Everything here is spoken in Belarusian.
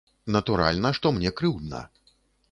Натуральна, што мне крыўдна.